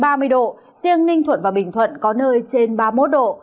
riêng ninh thuận và bình thuận có nơi trên ba mươi một độ